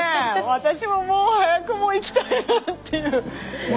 私ももう早くもう行きたいなっていう。